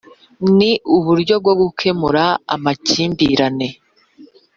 Ni Uburyo bwo gukemura amakimbirane